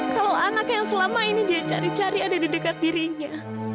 kalau anak yang selama ini dia cari cari ada di dekat dirinya